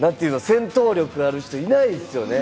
戦闘力ある人いないっすよね。